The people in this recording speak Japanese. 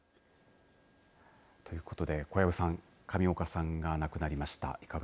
ということで小藪さん上岡さんが亡くなりました。